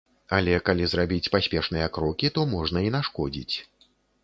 Але калі зрабіць паспешныя крокі, то можна і нашкодзіць.